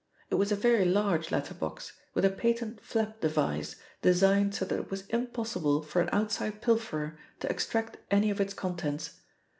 It was a very large letter box, with a patent flap device, designed so that it was impossible for an outside pilferer to extract any of its contents.